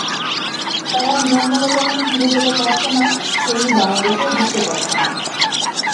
তারা মিয়ানমারে যেমন ফিরে যেতে পারছে না, তেমনি বাংলাদেশেও ঢুকতে পারছে না।